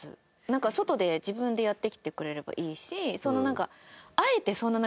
なんか外で自分でやってきてくれればいいし。